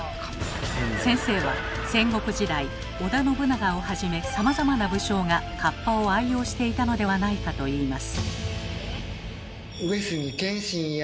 先生は戦国時代織田信長をはじめさまざまな武将がかっぱを愛用していたのではないかといいます。